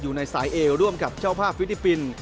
อยู่ในสายเอวร่วมกับเจ้าภาพฟิลิปปินส์